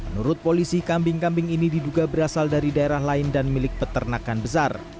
menurut polisi kambing kambing ini diduga berasal dari daerah lain dan milik peternakan besar